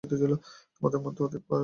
তোমাদের মধ্যে অর্ধেক পাইলটই মিশনে যাবে।